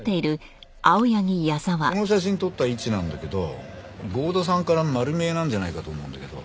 この写真撮った位置なんだけど郷田さんから丸見えなんじゃないかと思うんだけど。